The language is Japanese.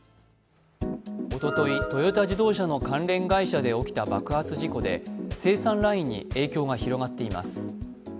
おとといトヨタ自動車の関連会社で起きた爆発事故で生産ラインに影響が広がっています。